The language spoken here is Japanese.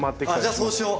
じゃあそうしよう！